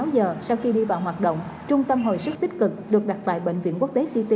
sáu giờ sau khi đi vào hoạt động trung tâm hồi sức tích cực được đặt tại bệnh viện quốc tế ct